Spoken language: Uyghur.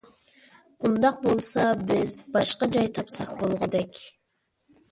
ئۇنداق بولسا بىز باشقا جاي تاپساق بولغۇدەك.